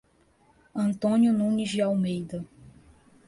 Antônio Nunes de Almeida